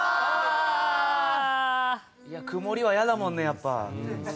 曇りは嫌だもんねやっぱ。